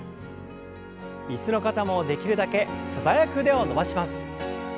椅子の方もできるだけ素早く腕を伸ばします。